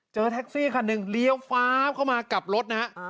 แท็กซี่คันหนึ่งเลี้ยวฟ้าเข้ามากลับรถนะฮะ